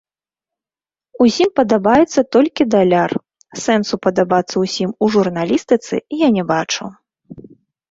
Усім падабаецца толькі даляр, сэнсу падабацца ўсім у журналістыцы я не бачу.